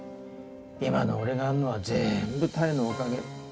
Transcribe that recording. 今の俺があるのは全部多江のおかげ。